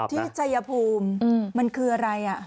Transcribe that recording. ชัยภูมิมันคืออะไร